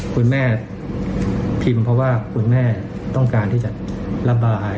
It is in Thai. คุณแม่พิมพ์เพราะว่าคุณแม่ต้องการที่จะระบาย